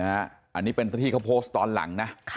อันนี้เป็นที่เขาโพสต์ตอนหลังนะ